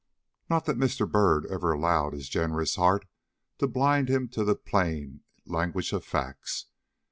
Not that Mr. Byrd ever allowed his generous heart to blind him to the plain language of facts.